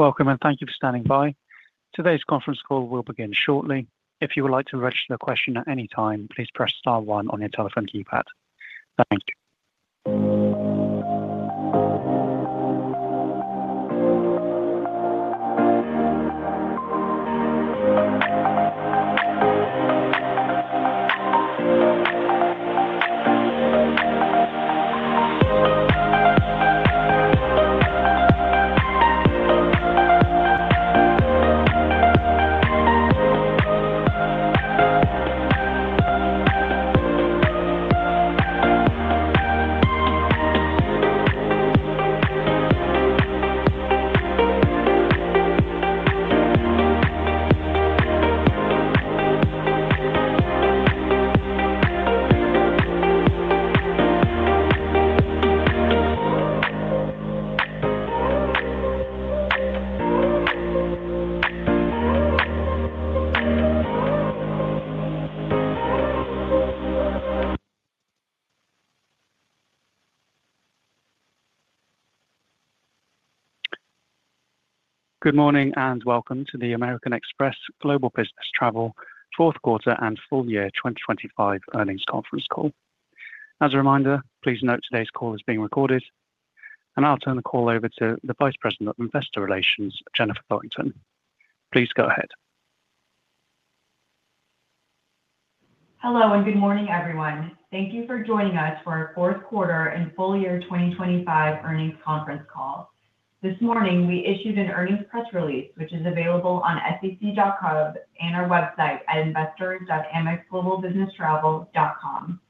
Welcome and thank you for standing by. Today's conference call will begin shortly. If you would like to register a question at any time, please press star one on your telephone keypad. Thank you. Good morning and welcome to the American Express Global Business Travel fourth quarter and full-year 2025 earnings conference call. As a reminder, please note today's call is being recorded. I'll turn the call over to the Vice President of Investor Relations, Jennifer Thorington. Please go ahead. Hello and good morning, everyone. Thank you for joining us for our fourth quarter and full-year 2025 earnings conference call. This morning, we issued an earnings press release, which is available on sec.gov and our website at investors.amexglobalbusinesstravel.com.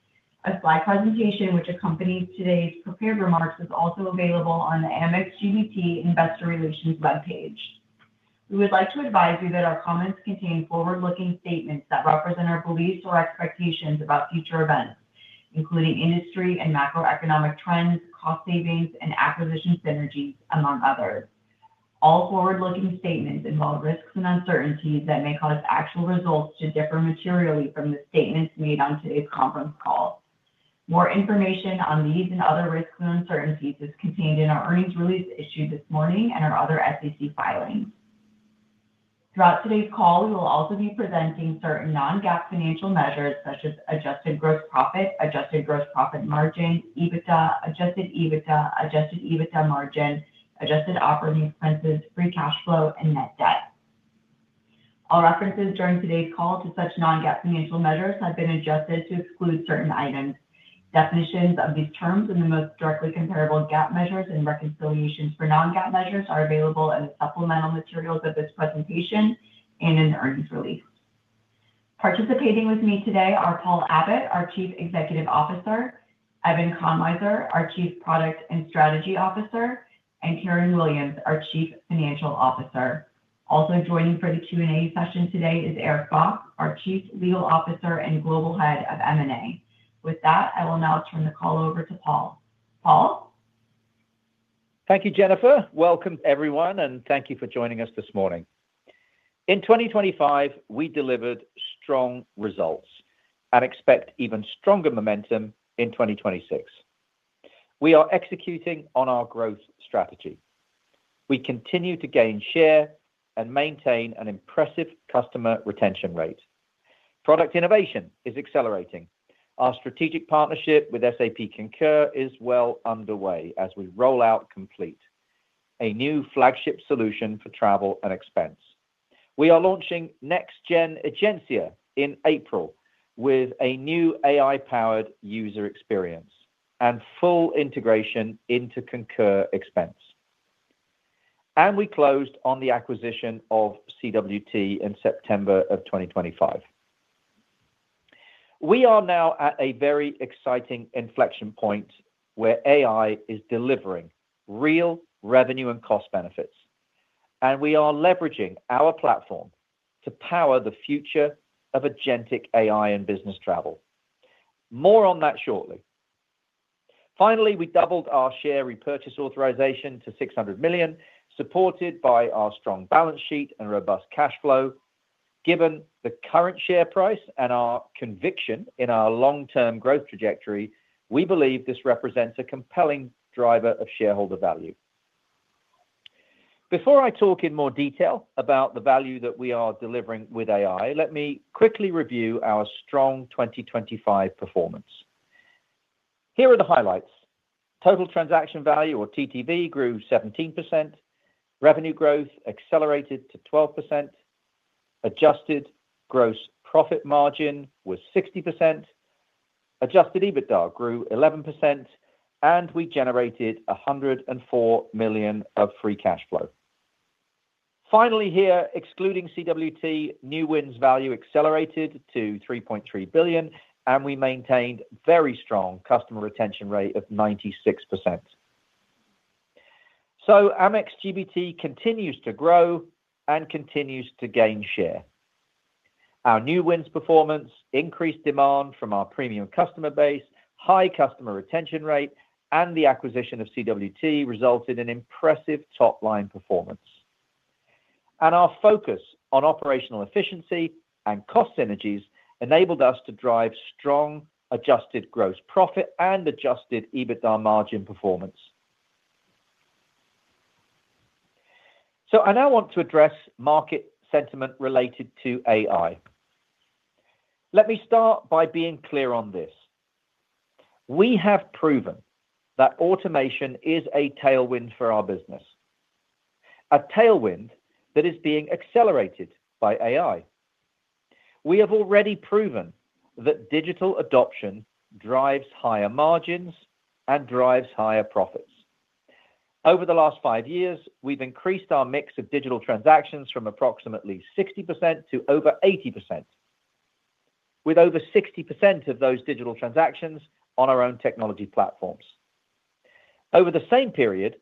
A slide presentation which accompanies today's prepared remarks is also available on the Amex GBT Investor Relations webpage. We would like to advise you that our comments contain forward-looking statements that represent our beliefs or expectations about future events, including industry and macroeconomic trends, cost savings, and acquisition synergies, among others. All forward-looking statements involve risks and uncertainties that may cause actual results to differ materially from the statements made on today's conference call. More information on these and other risks and uncertainties is contained in our earnings release issued this morning and our other SEC filings. Throughout today's call, we will also be presenting certain non-GAAP financial measures such as Adjusted gross profit, adjusted gross profit margin, EBITDA, Adjusted EBITDA, Adjusted EBITDA margin, adjusted operating expenses, free cash flow and net debt. All references during today's call to such non-GAAP financial measures have been adjusted to exclude certain items. Definitions of these terms and the most directly comparable GAAP measures and reconciliations for non-GAAP measures are available in the supplemental materials of this presentation and in the earnings release. Participating with me today are Paul Abbott, our Chief Executive Officer, Evan Konwiser, our Chief Product and Strategy Officer, and Karen Williams, our Chief Financial Officer. Also joining for the Q&A session today is Eric Bock, our Chief Legal Officer and Global Head of M&A. With that, I will now turn the call over to Paul. Paul. Thank you, Jennifer. Welcome everyone, and thank you for joining us this morning. In 2025, we delivered strong results and expect even stronger momentum in 2026. We are executing on our growth strategy. We continue to gain share and maintain an impressive customer retention rate. Product innovation is accelerating. Our strategic partnership with SAP Concur is well underway as we roll out Complete, a new flagship solution for travel and expense. We are launching next-gen Egencia in April with a new AI-powered user experience and full integration into Concur Expense. We closed on the acquisition of CWT in September of 2025. We are now at a very exciting inflection point where AI is delivering real revenue and cost benefits, and we are leveraging our platform to power the future of agentic AI and business travel. More on that shortly. Finally, we doubled our share repurchase authorization to $600 million, supported by our strong balance sheet and robust cash flow. Given the current share price and our conviction in our long-term growth trajectory, we believe this represents a compelling driver of shareholder value. Before I talk in more detail about the value that we are delivering with AI, let me quickly review our strong 2025 performance. Here are the highlights. Total transaction value, or TTV, grew 17%. Revenue growth accelerated to 12%. Adjusted gross profit margin was 60%. Adjusted EBITDA grew 11%, and we generated $104 million of free cash flow. Finally here, excluding CWT, new wins value accelerated to $3.3 billion, and we maintained very strong customer retention rate of 96%. Amex GBT continues to grow and continues to gain share. Our new wins performance increased demand from our premium customer base, high customer retention rate, and the acquisition of CWT resulted in impressive top-line performance. Our focus on operational efficiency and cost synergies enabled us to drive strong adjusted gross profit and Adjusted EBITDA margin performance. I now want to address market sentiment related to AI. Let me start by being clear on this. We have proven that automation is a tailwind for our business, a tailwind that is being accelerated by AI. We have already proven that digital adoption drives higher margins and drives higher profits. Over the last five years, we've increased our mix of digital transactions from approximately 60% to over 80%, with over 60% of those digital transactions on our own technology platforms. Over the same period,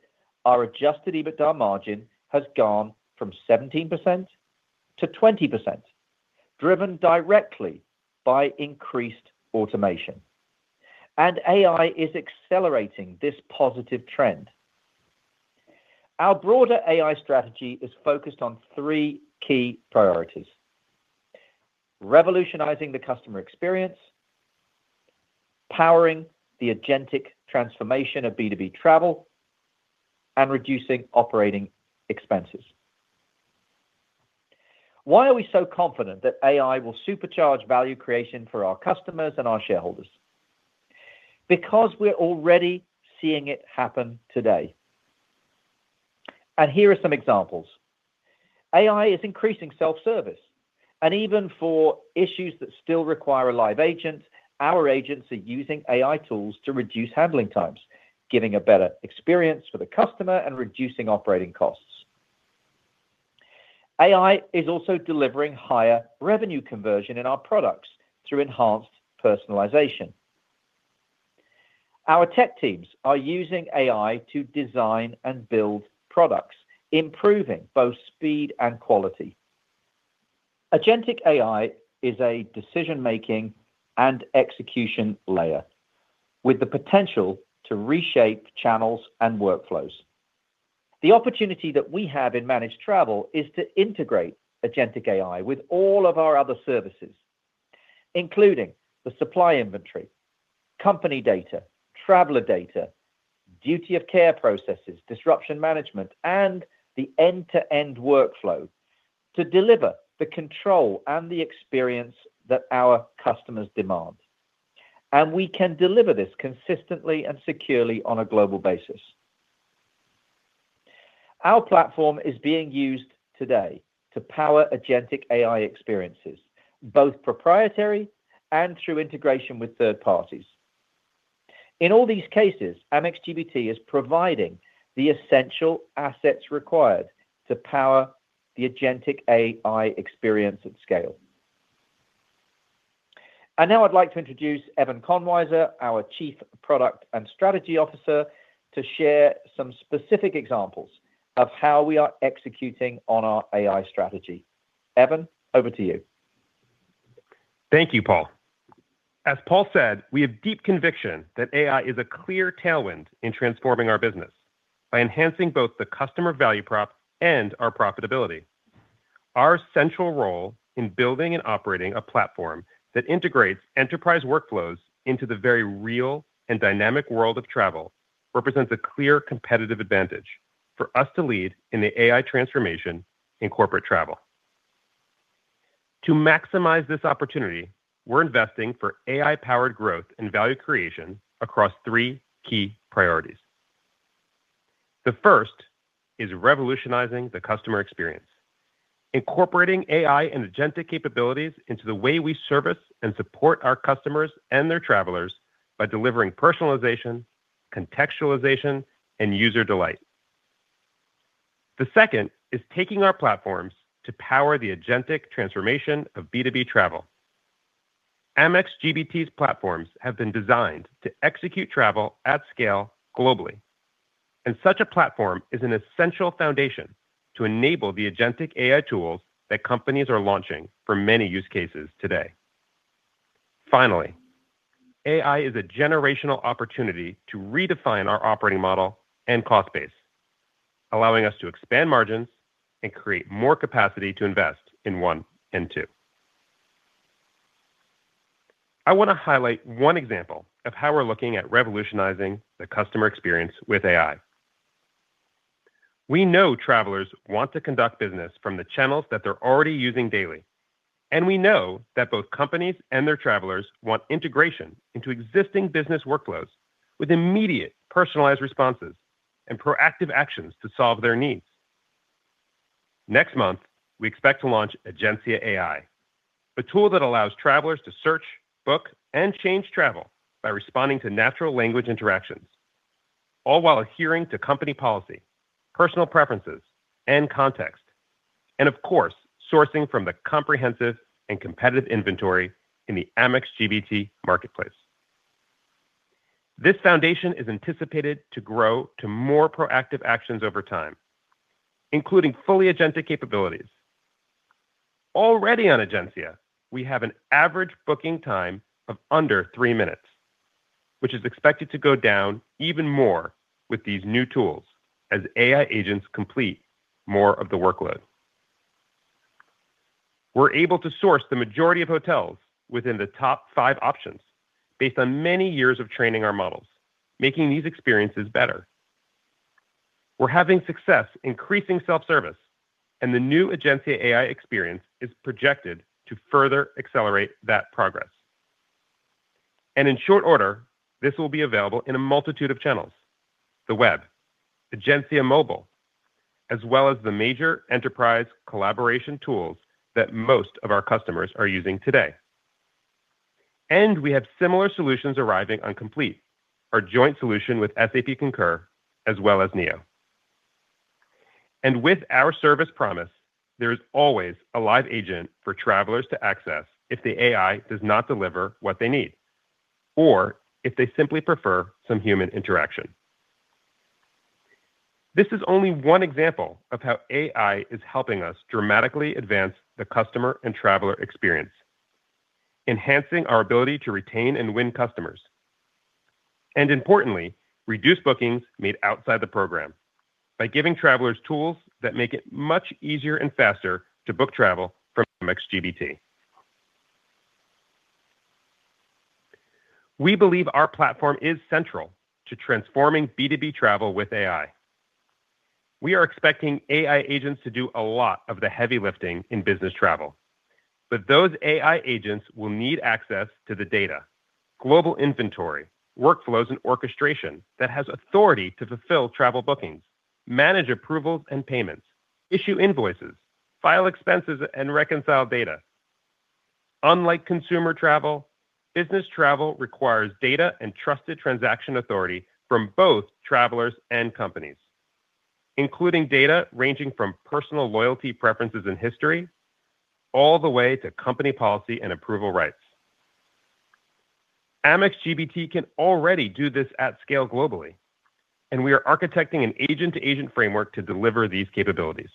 our Adjusted EBITDA margin has gone from 17%-20%, driven directly by increased automation. AI is accelerating this positive trend. Our broader AI strategy is focused on three key priorities: revolutionizing the customer experience, powering the agentic transformation of B2B travel, and reducing operating expenses. Why are we so confident that AI will supercharge value creation for our customers and our shareholders? Because we're already seeing it happen today. Here are some examples. AI is increasing self-service. Even for issues that still require a live agent, our agents are using AI tools to reduce handling times, giving a better experience for the customer and reducing operating costs. AI is also delivering higher revenue conversion in our products through enhanced personalization. Our tech teams are using AI to design and build products, improving both speed and quality. Agentic AI is a decision-making and execution layer with the potential to reshape channels and workflows. The opportunity that we have in managed travel is to integrate agentic AI with all of our other services, including the supply inventory, company data, traveler data, duty of care processes, disruption management, and the end-to-end workflow to deliver the control and the experience that our customers demand. We can deliver this consistently and securely on a global basis. Our platform is being used today to power agentic AI experiences, both proprietary and through integration with third parties. In all these cases, Amex GBT is providing the essential assets required to power the agentic AI experience at scale. Now I'd like to introduce Evan Konwiser, our Chief Product and Strategy Officer, to share some specific examples of how we are executing on our AI strategy. Evan, over to you. Thank you, Paul. As Paul said, we have deep conviction that AI is a clear tailwind in transforming our business by enhancing both the customer value prop and our profitability. Our central role in building and operating a platform that integrates enterprise workflows into the very real and dynamic world of travel represents a clear competitive advantage for us to lead in the AI transformation in corporate travel. To maximize this opportunity, we're investing for AI-powered growth and value creation across three key priorities. The first is revolutionizing the customer experience, incorporating AI and agentic capabilities into the way we service and support our customers and their travelers by delivering personalization, contextualization, and user delight. The second is taking our platforms to power the agentic transformation of B2B travel. Amex GBT's platforms have been designed to execute travel at scale globally. Such a platform is an essential foundation to enable the agentic AI tools that companies are launching for many use cases today. Finally, AI is a generational opportunity to redefine our operating model and cost base, allowing us to expand margins and create more capacity to invest in one and two. I wanna highlight one example of how we're looking at revolutionizing the customer experience with AI. We know travelers want to conduct business from the channels that they're already using daily. We know that both companies and their travelers want integration into existing business workflows with immediate personalized responses and proactive actions to solve their needs. Next month, we expect to launch Egencia AI, a tool that allows travelers to search, book, and change travel by responding to natural language interactions, all while adhering to company policy, personal preferences, and context, and of course, sourcing from the comprehensive and competitive inventory in the Amex GBT marketplace. This foundation is anticipated to grow to more proactive actions over time, including fully agentic capabilities. Already on Egencia, we have an average booking time of under three minutes, which is expected to go down even more with these new tools as AI agents complete more of the workload. We're able to source the majority of hotels within the top five options based on many years of training our models, making these experiences better. We're having success increasing self-service, and the new Egencia AI experience is projected to further accelerate that progress. In short order, this will be available in a multitude of channels: the web, Egencia Mobile, as well as the major enterprise collaboration tools that most of our customers are using today. We have similar solutions arriving on Complete, our joint solution with SAP Concur, as well as Neo. With our service promise, there is always a live agent for travelers to access if the AI does not deliver what they need, or if they simply prefer some human interaction. This is only one example of how AI is helping us dramatically advance the customer and traveler experience, enhancing our ability to retain and win customers, and importantly, reduce bookings made outside the program by giving travelers tools that make it much easier and faster to book travel from Amex GBT. We believe our platform is central to transforming B2B travel with AI. We are expecting AI agents to do a lot of the heavy lifting in business travel, but thoise AI agents will need access to the data, global inventory, workflows, and orchestration that has authority to fulfill travel bookings, manage approvals and payments, issue invoices, file expenses, and reconcile data. Unlike consumer travel, business travel requires data and trusted transaction authority from both travelers and companies, including data ranging from personal loyalty preferences in history, all the way to company policy and approval rights. Amex GBT can already do this at scale globally, and we are architecting an agent-to-agent framework to deliver these capabilities.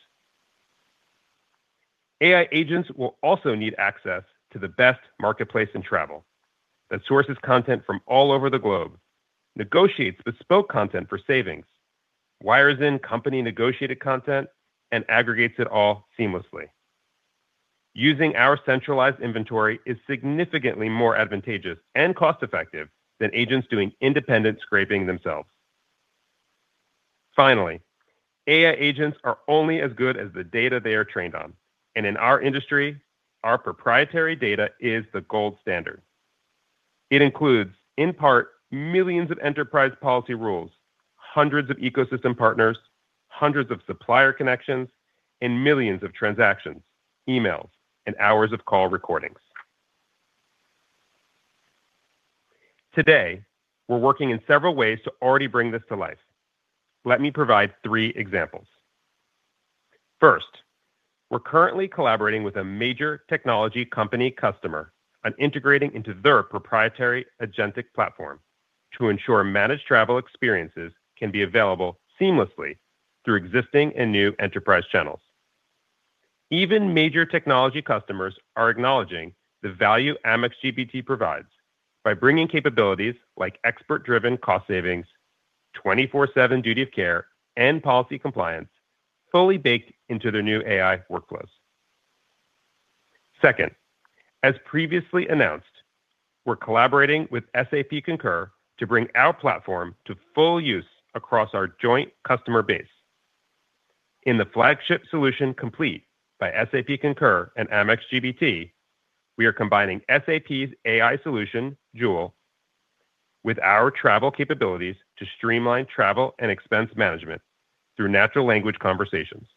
AI agents will also need access to the best marketplace in travel that sources content from all over the globe, negotiates bespoke content for savings, wires in company negotiated content, and aggregates it all seamlessly. Using our centralized inventory is significantly more advantageous and cost-effective than agents doing independent scraping themselves. Finally, AI agents are only as good as the data they are trained on, and in our industry, our proprietary data is the gold standard. It includes, in part, millions of enterprise policy rules, hundreds of ecosystem partners, hundreds of supplier connections, and millions of transactions, emails, and hours of call recordings. Today, we're working in several ways to already bring this to life. Let me provide three examples. First, we're currently collaborating with a major technology company customer on integrating into their proprietary agentic platform to ensure managed travel experiences can be available seamlessly through existing and new enterprise channels. Even major technology customers are acknowledging the value Amex GBT provides by bringing capabilities like expert-driven cost savings, twenty-four seven duty of care, and policy compliance fully baked into their new AI workflows. Second, as previously announced, we're collaborating with SAP Concur to bring our platform to full use across our joint customer base. In the flagship solution Complete by SAP Concur and Amex GBT, we are combining SAP's AI solution, Joule, with our travel capabilities to streamline travel and expense management through natural language conversations.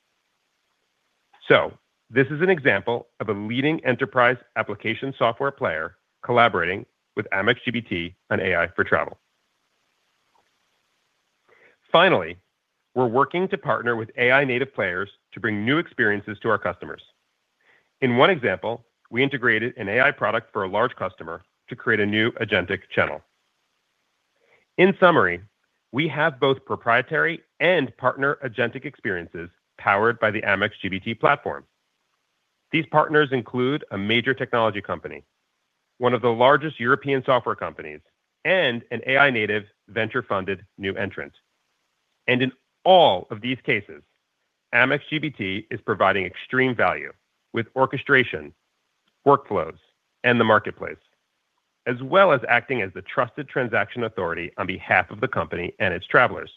This is an example of a leading enterprise application software player collaborating with Amex GBT on AI for travel. Finally, we're working to partner with AI native players to bring new experiences to our customers. In one example, we integrated an AI product for a large customer to create a new agentic channel. In summary, we have both proprietary and partner agentic experiences powered by the Amex GBT platform. These partners include a major technology company, one of the largest European software companies, and an AI native venture-funded new entrant. In all of these cases, Amex GBT is providing extreme value with orchestration, workflows, and the marketplace, as well as acting as the trusted transaction authority on behalf of the company and its travelers.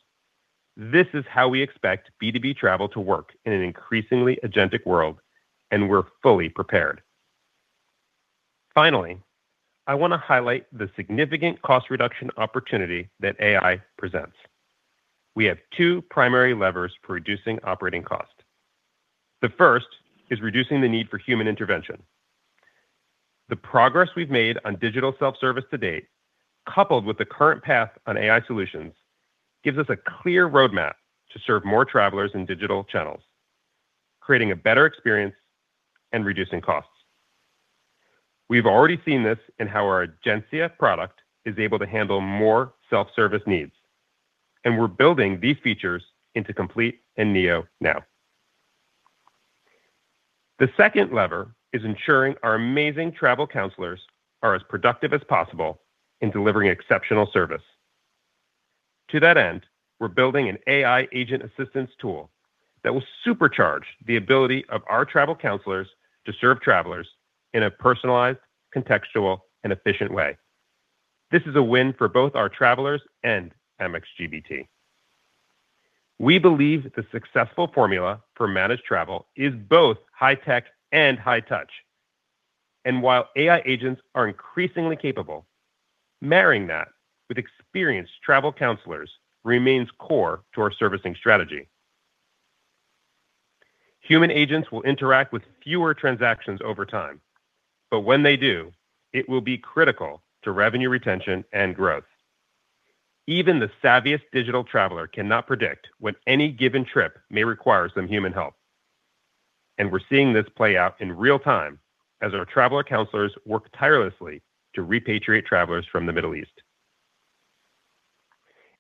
This is how we expect B2B travel to work in an increasingly agentic world, and we're fully prepared. Finally, I wanna highlight the significant cost reduction opportunity that AI presents. We have two primary levers for reducing operating cost. The first is reducing the need for human intervention. The progress we've made on digital self-service to date, coupled with the current path on AI solutions, gives us a clear roadmap to serve more travelers in digital channels, creating a better experience and reducing costs. We've already seen this in how our agent product is able to handle more self-service needs, and we're building these features into Complete and Neo now. The second lever is ensuring our amazing travel counselors are as productive as possible in delivering exceptional service. To that end, we're building an AI agent assistance tool that will supercharge the ability of our travel counselors to serve travelers in a personalized, contextual, and efficient way. This is a win for both our travelers and Amex GBT. We believe the successful formula for managed travel is both high tech and high touch. While AI agents are increasingly capable, marrying that with experienced travel counselors remains core to our servicing strategy. Human agents will interact with fewer transactions over time, but when they do, it will be critical to revenue retention and growth. Even the savviest digital traveler cannot predict when any given trip may require some human help. We're seeing this play out in real time as our traveler counselors work tirelessly to repatriate travelers from the Middle East.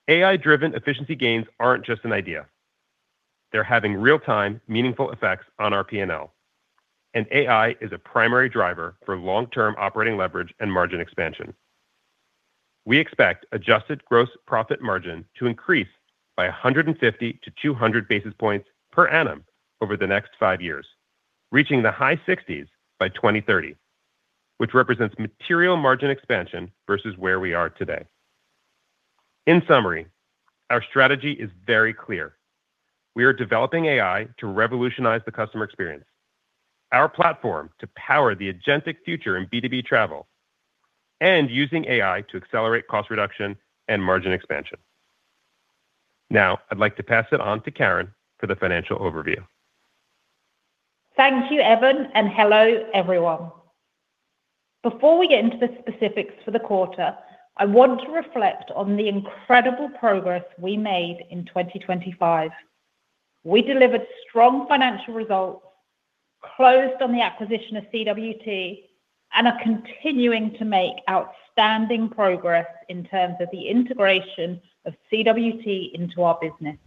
AI-driven efficiency gains aren't just an idea. They're having real-time meaningful effects on our P&L. AI is a primary driver for long-term operating leverage and margin expansion. We expect adjusted gross profit margin to increase by 150 to 200 basis points per annum over the next five years, reaching the high 60s by 2030, which represents material margin expansion versus where we are today. In summary, our strategy is very clear. We are developing AI to revolutionize the customer experience, our platform to power the agentic future in B2B travel, and using AI to accelerate cost reduction and margin expansion. I'd like to pass it on to Karen for the financial overview. Thank you, Evan, and hello, everyone. Before we get into the specifics for the quarter, I want to reflect on the incredible progress we made in 2025. We delivered strong financial results, closed on the acquisition of CWT, and are continuing to make outstanding progress in terms of the integration of CWT into our business.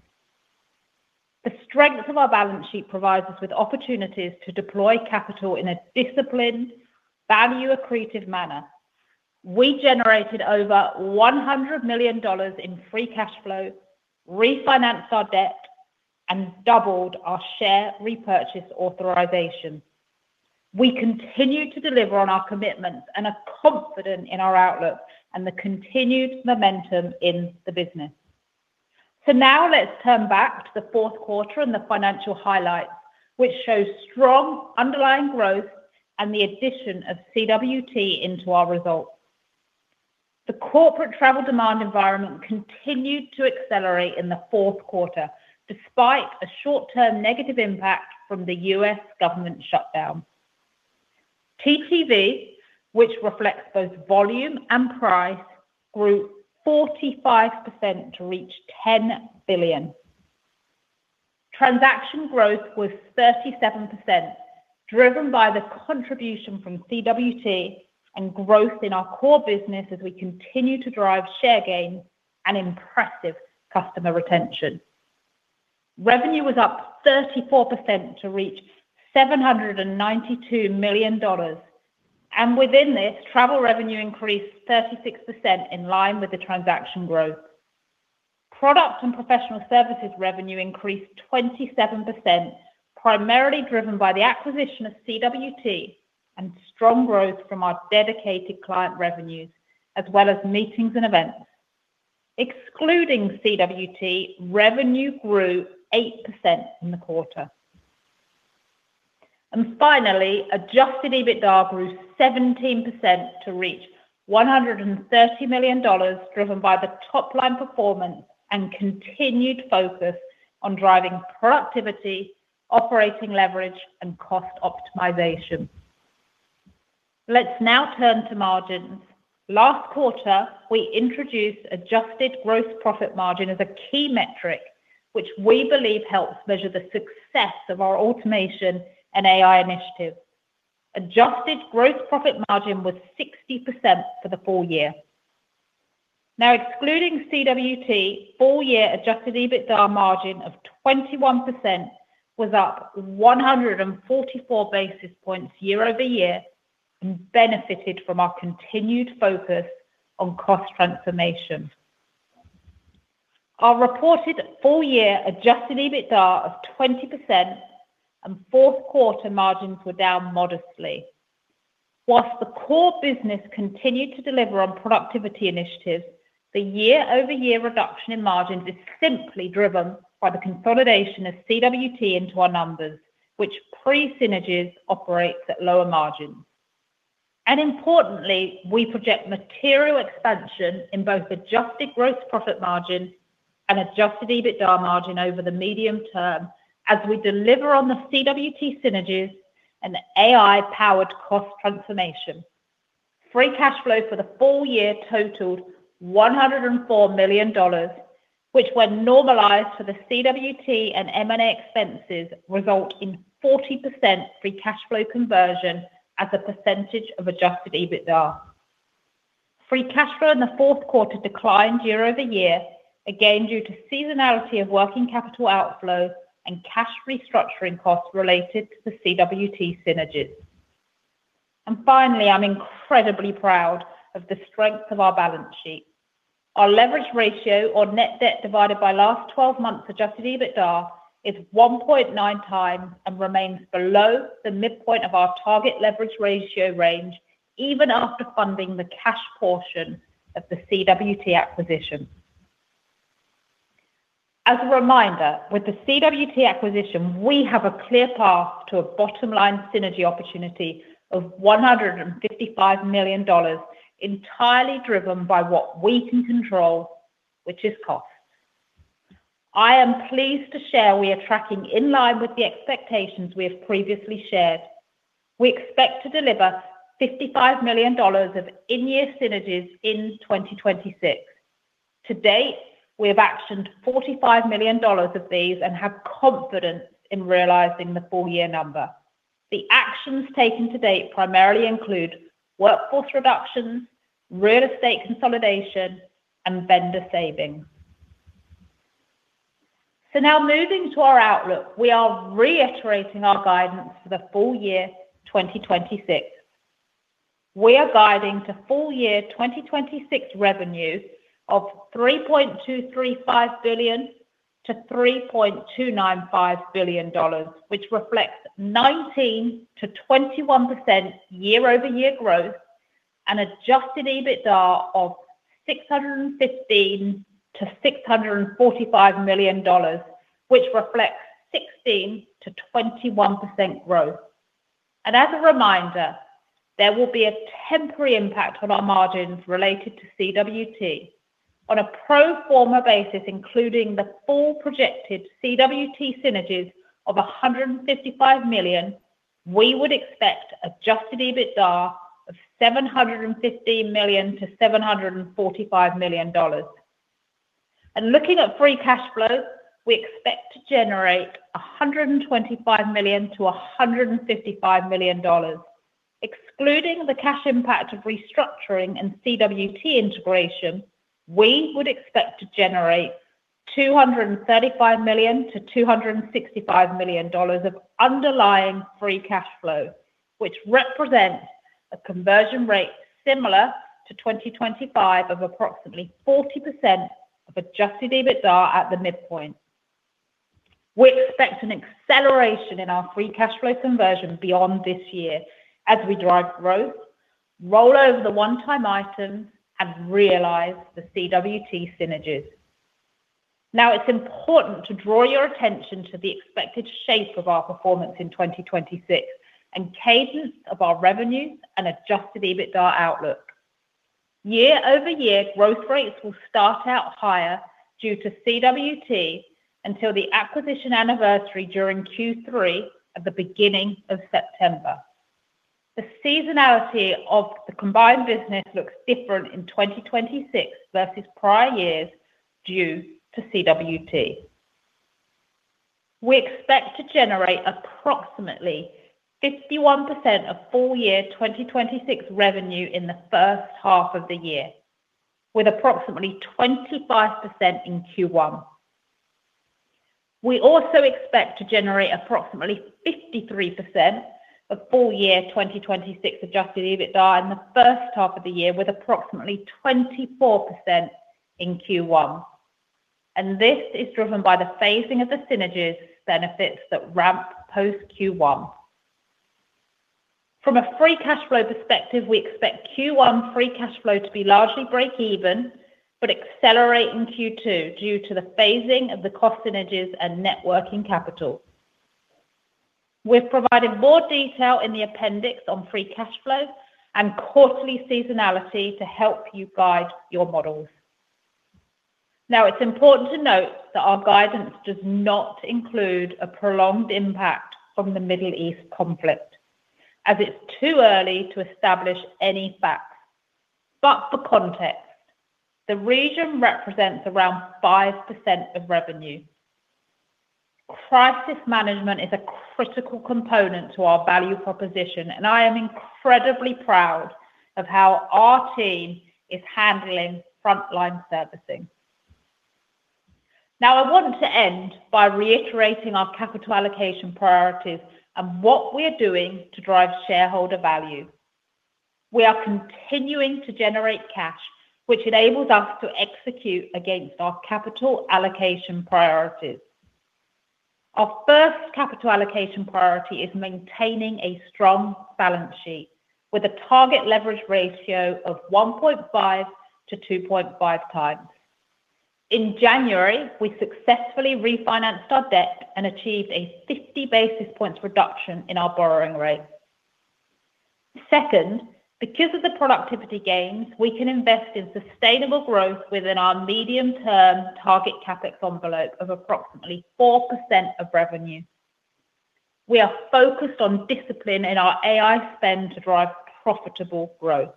The strength of our balance sheet provides us with opportunities to deploy capital in a disciplined, value-accretive manner. We generated over $100 million in free cash flow, refinanced our debt, and doubled our share repurchase authorization. We continue to deliver on our commitments and are confident in our outlook and the continued momentum in the business. Now let's turn back to the fourth quarter and the financial highlights, which show strong underlying growth and the addition of CWT into our results. The corporate travel demand environment continued to accelerate in the fourth quarter, despite a short-term negative impact from the U.S. government shutdown. TTV, which reflects both volume and price, grew 45% to reach $10 billion. Transaction growth was 37%, driven by the contribution from CWT and growth in our core business as we continue to drive share gains and impressive customer retention. Revenue was up 34% to reach $792 million, Within this, travel revenue increased 36% in line with the transaction growth. Products and professional services revenue increased 27%, primarily driven by the acquisition of CWT and strong growth from our dedicated client revenues, as well as meetings and events. Excluding CWT, revenue grew 8% in the quarter. Finally, Adjusted EBITDA grew 17% to reach $130 million, driven by the top-line performance and continued focus on driving productivity, operating leverage, and cost optimization. Let's now turn to margins. Last quarter, we introduced adjusted gross profit margin as a key metric, which we believe helps measure the success of our automation and AI initiatives. Adjusted gross profit margin was 60% for the full-year. Excluding CWT, full-year Adjusted EBITDA margin of 21% was up 144 basis points year-over-year and benefited from our continued focus on cost transformation. Our reported full-year Adjusted EBITDA of 20% and fourth quarter margins were down modestly. Whilst the core business continued to deliver on productivity initiatives, the year-over-year reduction in margins is simply driven by the consolidation of CWT into our numbers, which pre-synergies operates at lower margins. Importantly, we project material expansion in both adjusted gross profit margin and adjusted EBITDA margin over the medium term as we deliver on the CWT synergies and the AI-powered cost transformation. Free cash flow for the full-year totaled $104 million, which when normalized for the CWT and M&A expenses, result in 40% free cash flow conversion as a percentage of adjusted EBITDA. Free cash flow in the fourth quarter declined year-over-year, again due to seasonality of working capital outflows and cash restructuring costs related to the CWT synergies. Finally, I'm incredibly proud of the strength of our balance sheet. Our leverage ratio or net debt divided by last 12 months adjusted EBITDA is 1.9x and remains below the midpoint of our target leverage ratio range even after funding the cash portion of the CWT acquisition. As a reminder, with the CWT acquisition, we have a clear path to a bottom-line synergy opportunity of $155 million, entirely driven by what we can control, which is cost. I am pleased to share we are tracking in line with the expectations we have previously shared. We expect to deliver $55 million of in-year synergies in 2026. To date, we have actioned $45 million of these and have confidence in realizing the full-year number. The actions taken to date primarily include workforce reductions, real estate consolidation, and vendor savings. Now moving to our outlook, we are reiterating our guidance for the full-year 2026. We are guiding to full-year 2026 revenue of $3.235 billion-$3.295 billion, which reflects 19%-21% year-over-year growth and adjusted EBITDA of $615 million-$645 million, which reflects 16%-21% growth. As a reminder, there will be a temporary impact on our margins related to CWT. On a pro forma basis, including the full projected CWT synergies of $155 million, we would expect adjusted EBITDA of $715 million-$745 million. Looking at free cash flow, we expect to generate $125 million-$155 million. Excluding the cash impact of restructuring and CWT integration, we would expect to generate $235 million-$265 million of underlying free cash flow, which represents a conversion rate similar to 2025 of approximately 40% of adjusted EBITDA at the midpoint. We expect an acceleration in our free cash flow conversion beyond this year as we drive growth, roll over the one-time items, and realize the CWT synergies. It's important to draw your attention to the expected shape of our performance in 2026 and cadence of our revenue and adjusted EBITDA outlook. Year-over-year growth rates will start out higher due to CWT until the acquisition anniversary during Q3 at the beginning of September. The seasonality of the combined business looks different in 2026 versus prior years due to CWT. We expect to generate approximately 51% of full-year 2026 revenue in the first half of the year, with approximately 25% in Q1. We also expect to generate approximately 53% of full-year 2026 adjusted EBITDA in the first half of the year, with approximately 24% in Q1. This is driven by the phasing of the synergies benefits that ramp post Q1. From a free cash flow perspective, we expect Q1 free cash flow to be largely breakeven but accelerate in Q2 due to the phasing of the cost synergies and net working capital. We're providing more detail in the appendix on free cash flow and quarterly seasonality to help you guide your models. Now, it's important to note that our guidance does not include a prolonged impact from the Middle East conflict as it's too early to establish any facts. For context, the region represents around 5% of revenue. Crisis management is a critical component to our value proposition, and I am incredibly proud of how our team is handling frontline servicing. I want to end by reiterating our capital allocation priorities and what we are doing to drive shareholder value. We are continuing to generate cash, which enables us to execute against our capital allocation priorities. Our first capital allocation priority is maintaining a strong balance sheet with a target leverage ratio of 1.5-2.5x. In January, we successfully refinanced our debt and achieved a 50 basis points reduction in our borrowing rate. Because of the productivity gains, we can invest in sustainable growth within our medium-term target CapEx envelope of approximately 4% of revenue. We are focused on discipline in our AI spend to drive profitable growth.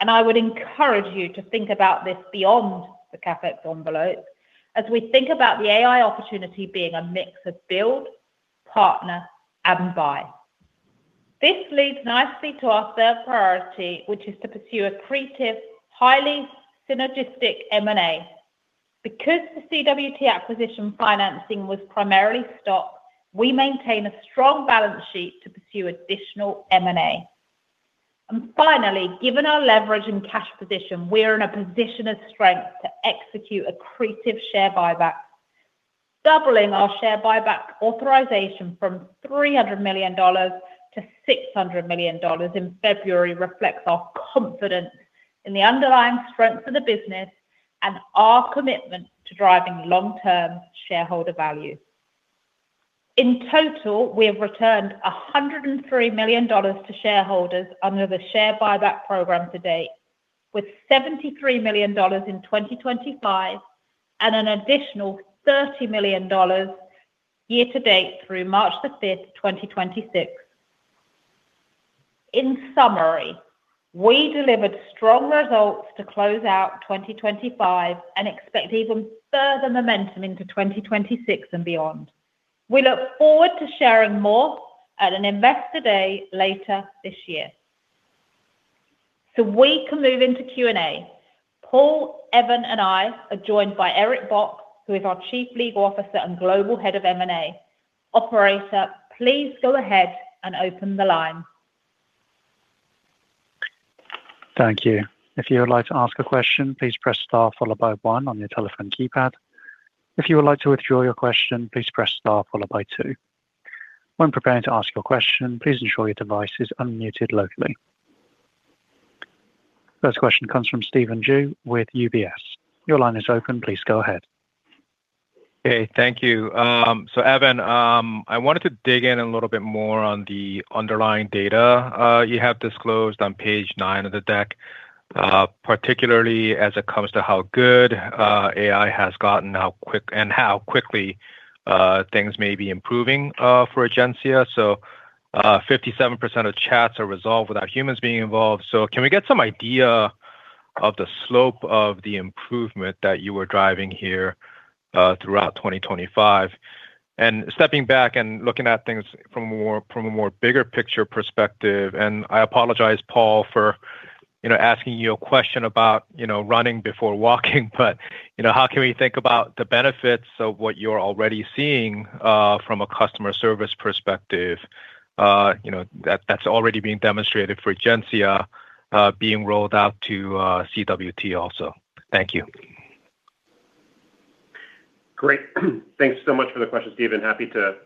I would encourage you to think about this beyond the CapEx envelope as we think about the AI opportunity being a mix of build, partner, and buy. This leads nicely to our third priority, which is to pursue accretive, highly synergistic M&A. Because the CWT acquisition financing was primarily stock, we maintain a strong balance sheet to pursue additional M&A. Finally, given our leverage and cash position, we are in a position of strength to execute accretive share buybacks. Doubling our share buyback authorization from $300 million-$600 million in February reflects our confidence in the underlying strength of the business and our commitment to driving long-term shareholder value. In total, we have returned $103 million to shareholders under the share buyback program to date, with $73 million in 2025 and an additional $30 million year-to-date through March 5, 2026. In summary, we delivered strong results to close out 2025 and expect even further momentum into 2026 and beyond. We look forward to sharing more at an investor day later this year. We can move into Q&A. Paul, Evan, and I are joined by Eric J. Bock, who is our Chief Legal Officer and Global Head of M&A. Operator, please go ahead and open the line. Thank you. If you would like to ask a question, please press star followed by one on your telephone keypad. If you would like to withdraw your question, please press star followed by two. When preparing to ask your question, please ensure your device is unmuted locally. First question comes from Stephen Ju with UBS. Your line is open. Please go ahead. Hey, thank you. Evan, I wanted to dig in a little bit more on the underlying data you have disclosed on page 9 of the deck, particularly as it comes to how good AI has gotten and how quickly things may be improving for Egencia. 57% of chats are resolved without humans being involved. Can we get some idea of the slope of the improvement that you were driving here throughout 2025? Stepping back and looking at things from a more, from a more bigger picture perspective, and I apologize, Paul, for, you know, asking you a question about, you know, running before walking, but, you know, how can we think about the benefits of what you're already seeing, from a customer service perspective, you know, that's already being demonstrated for Egencia, being rolled out to CWT also? Thank you. Great. Thanks so much for the question, Stephen. Happy to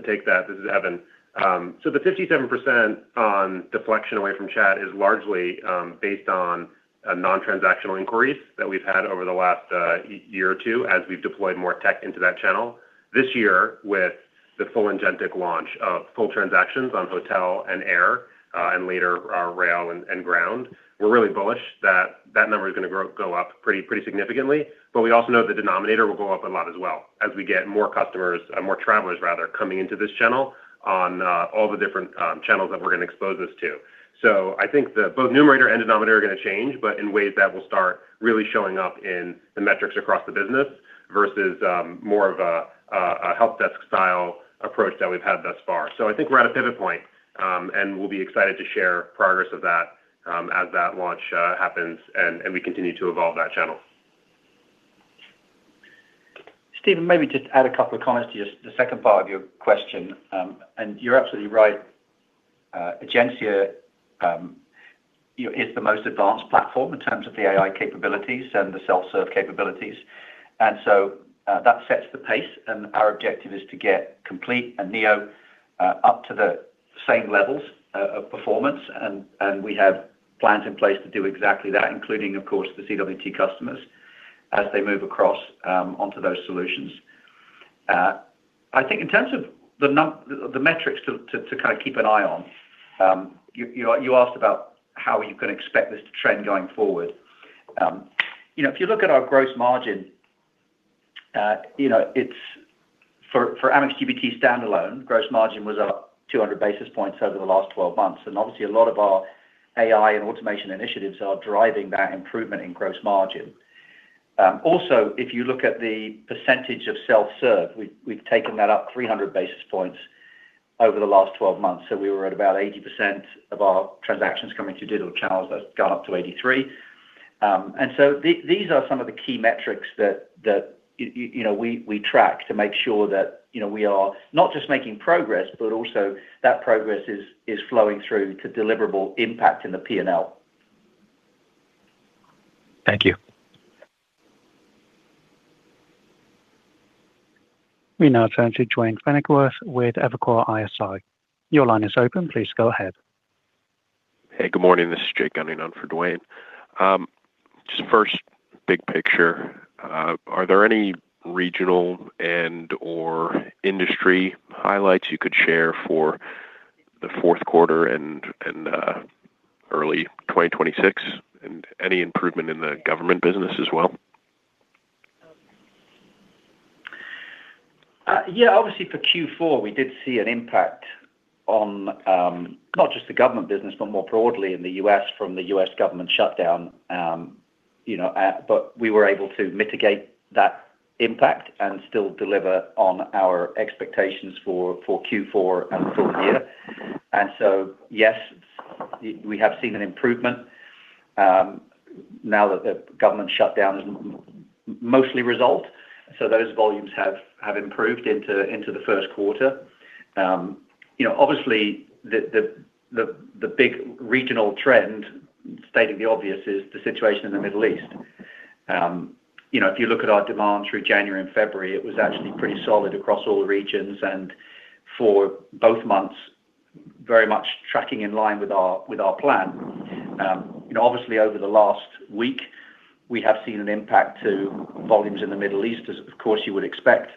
take that. This is Evan. The 57% on deflection away from chat is largely based on non-transactional inquiries that we've had over the last year or two as we've deployed more tech into that channel. This year, with the full agentic launch of full transactions on hotel and air, and later, rail and ground, we're really bullish that that number is gonna go up pretty significantly. We also know the denominator will go up a lot as well as we get more travelers rather coming into this channel on all the different channels that we're gonna expose this to. I think that both numerator and denominator are gonna change, but in ways that will start really showing up in the metrics across the business versus more of a help desk-style approach that we've had thus far. I think we're at a pivot point, and we'll be excited to share progress of that as that launch happens and we continue to evolve that channel. Stephen, maybe just add a couple of comments to the second part of your question. You're absolutely right. Egencia, you know, is the most advanced platform in terms of the AI capabilities and the self-serve capabilities. That sets the pace, and our objective is to get Complete and Neo up to the same levels of performance. And we have plans in place to do exactly that, including, of course, the CWT customers as they move across onto those solutions. I think in terms of the metrics to kind of keep an eye on, you asked about how you can expect this to trend going forward. You know, if you look at our gross margin, you know, it's for Amex GBT standalone, gross margin was up 200 basis points over the last 12 months. Obviously, a lot of our AI and automation initiatives are driving that improvement in gross margin. Also, if you look at the percentage of self-serve, we've taken that up 300 basis points over the last 12 months. We were at about 80% of our transactions coming to digital channels. That's gone up to 83. These are some of the key metrics that, you know, we track to make sure that, you know, we are not just making progress, but also that progress is flowing through to deliverable impact in the P&L. Thank you. We now turn to Duane Pfennigwerth with Evercore ISI. Your line is open. Please go ahead. Hey, good morning. This is Jake Gunning on for Duane. Just first big picture, are there any regional and/or industry highlights you could share for the fourth quarter and early 2026, and any improvement in the government business as well? Yeah, obviously for Q4, we did see an impact on not just the government business, but more broadly in the U.S. from the U.S. government shutdown. You know, we were able to mitigate that impact and still deliver on our expectations for Q4 and full-year. Yes, we have seen an improvement now that the government shutdown is mostly resolved. Those volumes have improved into the first quarter. You know, obviously the big regional trend, stating the obvious, is the situation in the Middle East. You know, if you look at our demand through January and February, it was actually pretty solid across all the regions and for both months, very much tracking in line with our plan. You know, obviously over the last week, we have seen an impact to volumes in the Middle East, as of course you would expect.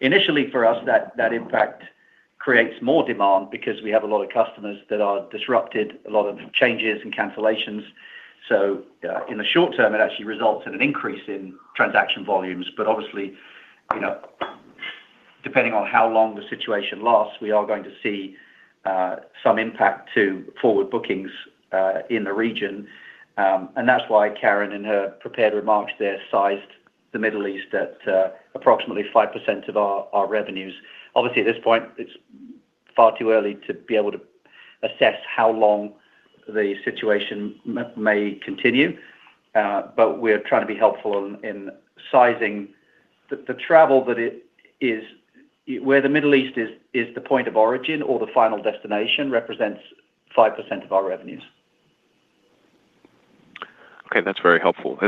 Initially for us, that impact creates more demand because we have a lot of customers that are disrupted, a lot of changes and cancellations. In the short term, it actually results in an increase in transaction volumes. Obviously, you know, depending on how long the situation lasts, we are going to see some impact to forward bookings in the region. That's why Karen in her prepared remarks there sized the Middle East at approximately 5% of our revenues. Obviously, at this point, it's far too early to be able to assess how long the situation may continue, but we're trying to be helpful in sizing the travel that where the Middle East is the point of origin or the final destination represents 5% of our revenues. Okay, that's very helpful.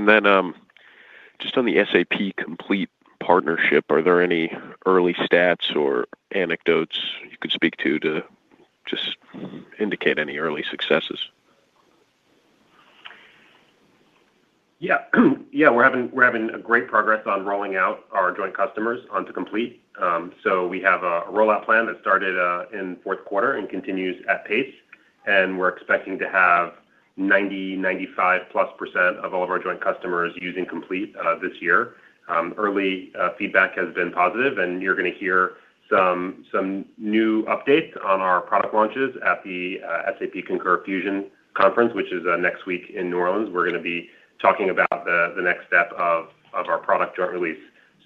Just on the SAP Complete partnership, are there any early stats or anecdotes you could speak to just indicate any early successes? Yeah. We're having a great progress on rolling out our joint customers onto Complete. We have a rollout plan that started in fourth quarter and continues at pace, and we're expecting to have 90-95%+ of all of our joint customers using Complete this year. Early feedback has been positive, and you're gonna hear some new updates on our product launches at the SAP Concur Fusion Conference, which is next week in New Orleans. We're gonna be talking about the next step of our product joint release.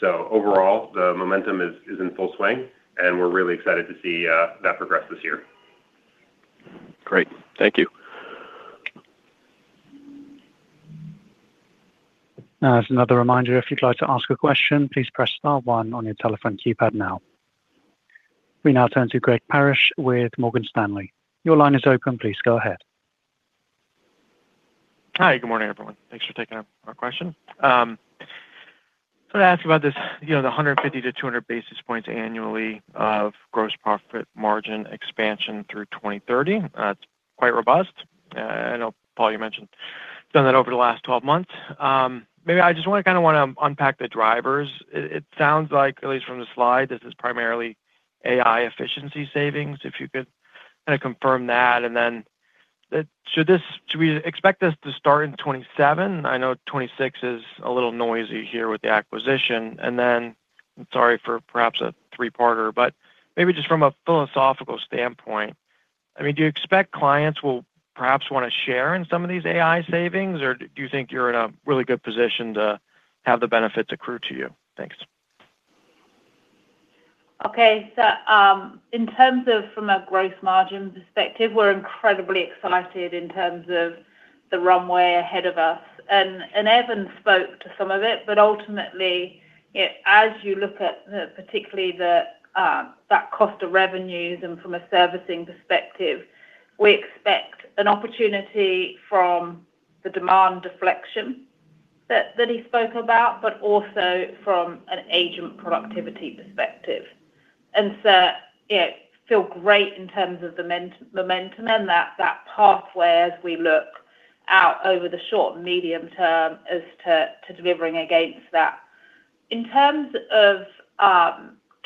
Overall, the momentum is in full swing, and we're really excited to see that progress this year. Great. Thank you. As another reminder, if you'd like to ask a question, please press star one on your telephone keypad now. We now turn to Greg Parrish with Morgan Stanley. Your line is open. Please go ahead. Hi. Good morning, everyone. Thanks for taking our question. To ask you about this, you know, the 150-200 basis points annually of gross profit margin expansion through 2030. It's quite robust. I know, Paul, you mentioned done that over the last 12 months. Maybe I just wanna kinda wanna unpack the drivers. It sounds like, at least from the slide, this is primarily AI efficiency savings. If you could kinda confirm that, and then should we expect this to start in 2027? I know 2026 is a little noisy here with the acquisition. Sorry for perhaps a three-parter, but maybe just from a philosophical standpoint, I mean, do you expect clients will perhaps wanna share in some of these AI savings, or do you think you're in a really good position to have the benefits accrue to you? Thanks. Okay. In terms of from a gross margin perspective, we're incredibly excited in terms of the runway ahead of us. Evan spoke to some of it, but ultimately, you know, as you look at the, particularly the cost of revenues and from a servicing perspective, we expect an opportunity from the demand deflection that he spoke about, but also from an agent productivity perspective. Yeah, feel great in terms of the momentum and that pathway as we look out over the short and medium term as to delivering against that. In terms of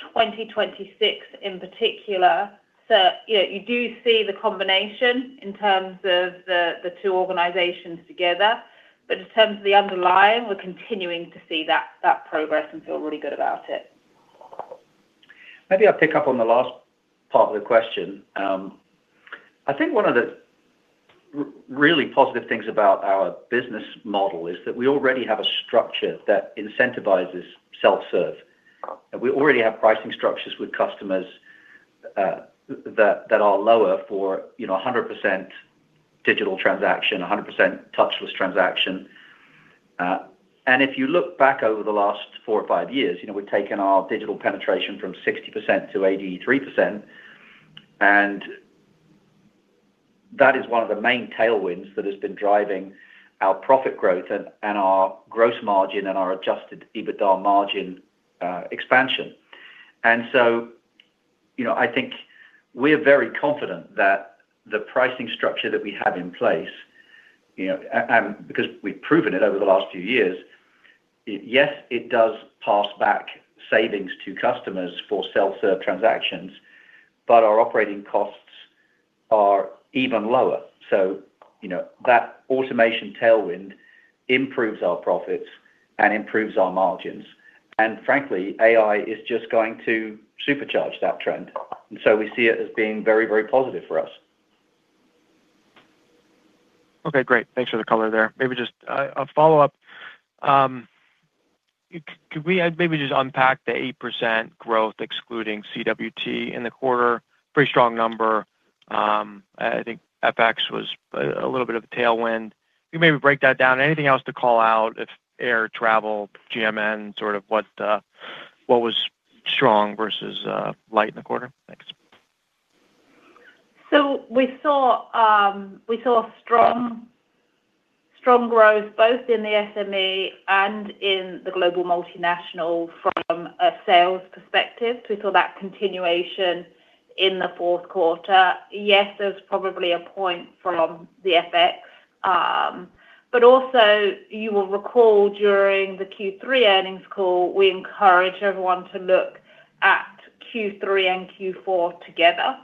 2026 in particular, you know, you do see the combination in terms of the two organizations together. In terms of the underlying, we're continuing to see that progress and feel really good about it. Maybe I'll pick up on the last part of the question. I think one of the really positive things about our business model is that we already have a structure that incentivizes self-serve. We already have pricing structures with customers that are lower for, you know, 100% digital transaction, 100% touchless transaction. If you look back over the last four or five years, you know, we've taken our digital penetration from 60%-83%, and that is one of the main tailwinds that has been driving our profit growth and our gross margin and our adjusted EBITDA margin expansion. You know, I think we're very confident that the pricing structure that we have in place, you know, and because we've proven it over the last few years, yes, it does pass back savings to customers for self-serve transactions, but our operating costs are even lower. You know, that automation tailwind improves our profits and improves our margins. Frankly, AI is just going to supercharge that trend. We see it as being very, very positive for us. Okay, great. Thanks for the color there. Maybe just a follow-up. Could we maybe just unpack the 8% growth excluding CWT in the quarter? Pretty strong number. I think FX was a little bit of a tailwind. Can you maybe break that down? Anything else to call out if air travel, GMN, sort of what was strong versus light in the quarter? Thanks. We saw strong growth both in the SME and in the Global & Multinational from a sales perspective. We saw that continuation in the fourth quarter. Yes, there's probably a point from the FX. Also you will recall during the Q3 earnings call, we encouraged everyone to look at Q3 and Q4 together.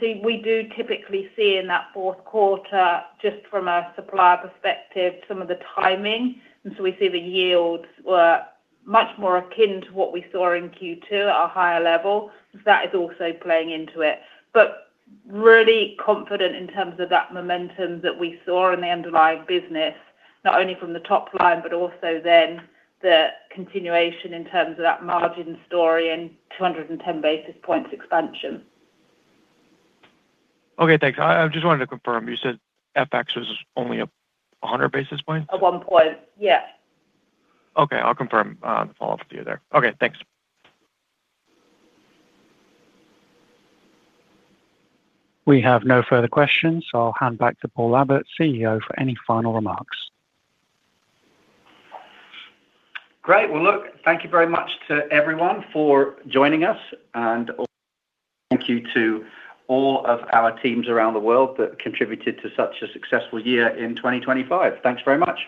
See, we do typically see in that fourth quarter, just from a supplier perspective, some of the timing. We see the yields were much more akin to what we saw in Q2 at a higher level. That is also playing into it. Really confident in terms of that momentum that we saw in the underlying business, not only from the top line, but also the continuation in terms of that margin story and 210 basis points expansion. Okay, thanks. I just wanted to confirm, you said FX was only 100 basis points? At one point, yes. Okay, I'll confirm on the follow-up with you there. Okay, thanks. We have no further questions, so I'll hand back to Paul Abbott, CEO, for any final remarks. Great. Well, look, thank you very much to everyone for joining us. Also thank you to all of our teams around the world that contributed to such a successful year in 2025. Thanks very much.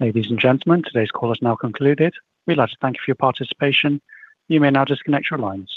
Ladies and gentlemen, today's call is now concluded. We'd like to thank you for your participation. You may now disconnect your lines.